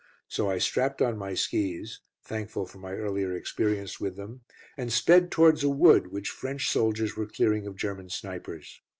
So I strapped on my skis, thankful for my earlier experience with them, and sped towards a wood which French soldiers were clearing of German snipers.